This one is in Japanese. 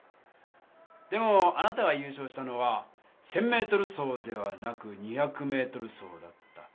でもあなたが優勝したのは１０００ｍ走ではなく２００ｍ走だった。